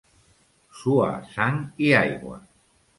Suar sang i aigua.